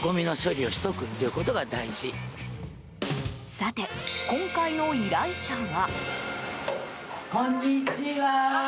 さて、今回の依頼者は。